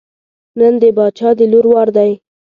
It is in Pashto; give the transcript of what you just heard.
نن د باچا د لور وار دی.